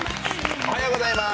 おはようございます。